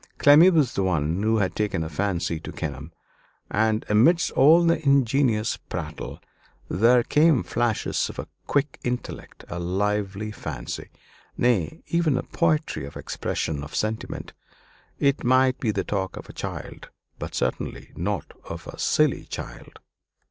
Clemmy was the one who had taken a fancy to Kenelm. And amidst all the ingenuous prattle there came flashes of a quick intellect, a lively fancy nay, even a poetry of expression or of sentiment. It might be the talk of a child, but certainly not of a silly child.